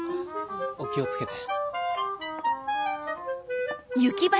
お気を付けて。